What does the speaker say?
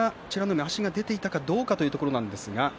海足が出ていたかどうかというところですね。